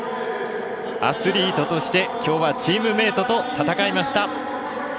アスリートとしてきょうはチームメートと戦いました。